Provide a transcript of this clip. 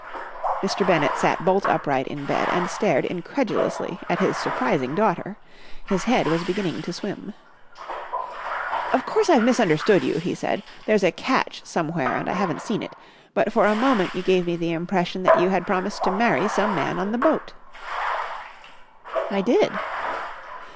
Mr. Bennett sat bolt upright in bed, and stared incredulously at his surprising daughter. His head was beginning to swim. "Of course I've misunderstood you," he said. "There's a catch somewhere and I haven't seen it. But for a moment you gave me the impression that you had promised to marry some man on the boat!" "I did!"